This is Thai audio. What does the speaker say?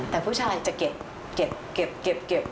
แต่ผู้ชายจะเก็บเก็บเก็บเก็บ